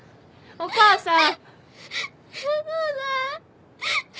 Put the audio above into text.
お母さん！